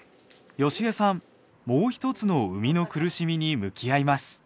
もう一つの生みの苦しみに向き合います。